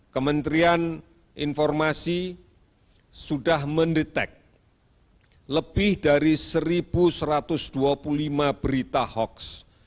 kementerian informasi sudah mendetek lebih dari satu satu ratus dua puluh lima berita hoax